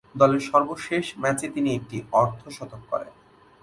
দলের সর্বশেষ ম্যাচে তিনি একটি অর্ধ-শতক করেন।